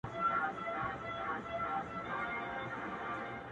خو ستا ليدوته لا مجبور يم په هستۍ كي گرانـي .